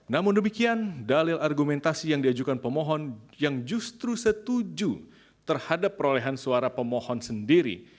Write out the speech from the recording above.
namun demikian dalil argumentasi yang diajukan pemohon yang justru setuju terhadap perolehan suara pemohon sendiri